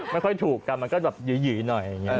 ไม่ค่อยถูกกันมันก็แบบหยื๋อหน่อย